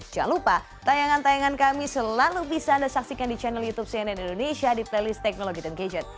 jangan lupa tayangan tayangan kami selalu bisa anda saksikan di channel youtube cnn indonesia di playlist teknologi dan gadget